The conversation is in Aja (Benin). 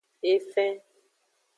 Efen.